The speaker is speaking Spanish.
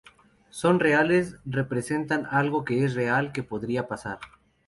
Son reales, representan algo que es real, que podría pasar.